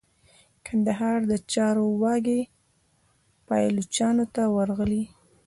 د کندهار د چارو واګي پایلوچانو ته ورغلې.